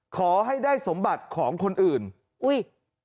ขอให้ได้สมบัติของคนอื่นอุ้ย